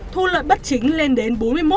thu lợi bất chính lên đến